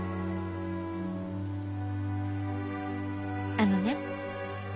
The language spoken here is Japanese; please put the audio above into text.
あのね